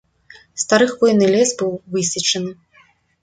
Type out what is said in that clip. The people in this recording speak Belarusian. Стары хвойны лес быў высечаны.